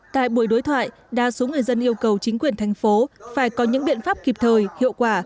tại buổi đối thoại đa số người dân yêu cầu chính quyền thành phố phải có những biện pháp kịp thời hiệu quả